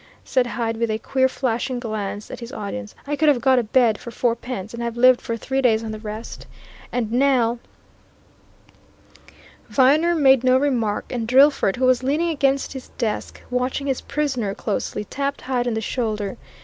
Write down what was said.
said Hyde with a queer flashing glance at his audience. "I could have got a bed for fourpence, and have lived for three days on the rest. And now " Viner made no remark; and Drillford, who was leaning against his desk, watching his prisoner closely, tapped Hyde on the shoulder.